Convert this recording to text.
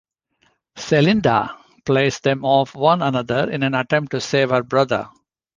Selinda plays them off one another in an attempt to save her brother.